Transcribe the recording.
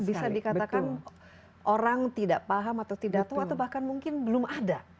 bisa dikatakan orang tidak paham atau tidak tahu atau bahkan mungkin belum ada